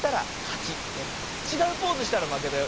ちがうポーズしたらまけだよ。